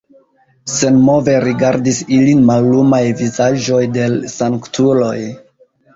Senmove rigardis ilin mallumaj vizaĝoj de l' sanktuloj.